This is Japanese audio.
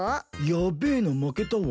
やべえな負けたわ。